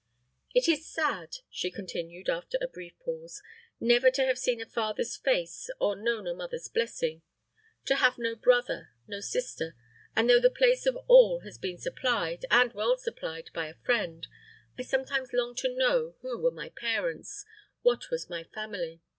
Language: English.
"It is sad," she continued, after a brief pause, "never to have seen a father's face or known a mother's blessing. To have no brother, no sister; and though the place of all has been supplied, and well supplied, by a friend, I sometimes long to know who were my parents, what was my family.